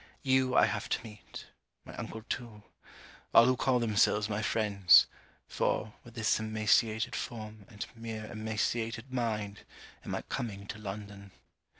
You I have to meet. My uncle too. All who call themselves my friends: for, with this emaciated form, and mere emaciated mind, am I coming to London.